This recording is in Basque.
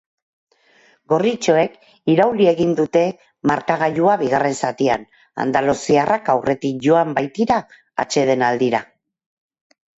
Gorritxoek irauli egin dute markagailua bigarren zatian, andaluziarrak aurretik joan baitira atsedenaldira.